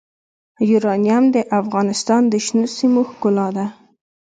یورانیم د افغانستان د شنو سیمو ښکلا ده.